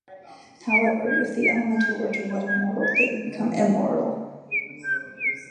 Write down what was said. However, if the elemental were to wed a mortal, they would become immortal.